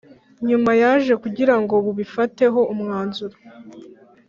nyuma yaje kugira ngo bubifateho umwanzuro